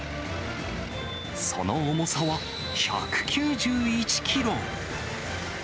その重さは１９１キロ。